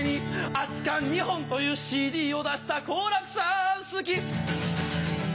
『熱燗二本』という ＣＤ を出した好楽さん好き